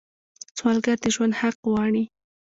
سوالګر د ژوند حق غواړي